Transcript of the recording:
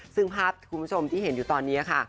ซึ่งภาพคุณผู้ชมที่เห็นอยู่ตอนนี้ค่ะ